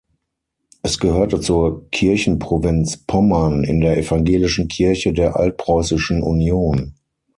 Es gehörte zur Kirchenprovinz Pommern in der evangelischen Kirche der Altpreußischen Union.